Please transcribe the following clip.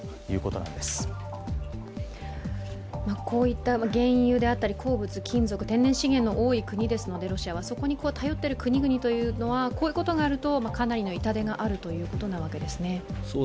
こういった原油であったり、好物天然資源が多いロシアですのでそこに頼っている国々というのはこういうことがあるとかなりの痛手があるということなわけですね？